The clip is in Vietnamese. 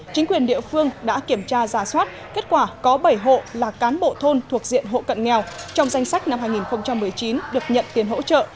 chính quyền địa phương đã kiểm tra giả soát kết quả có bảy hộ là cán bộ thôn thuộc diện hộ cận nghèo trong danh sách năm hai nghìn một mươi chín được nhận tiền hỗ trợ